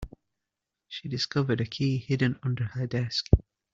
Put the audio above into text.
She discovered a key hidden under her desk.